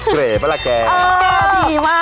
เกร่ปะละแกเกร่ดีมาก